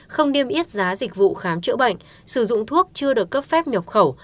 không niêm yết giá dịch vụ khám chữa bệnh sử dụng thuốc chưa được cấp phép nhập khẩu